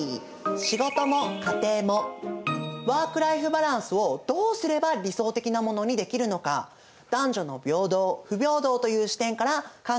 ワーク・ライフ・バランスをどうすれば理想的なものにできるのか男女の平等不平等という視点から考えていきたいと思います。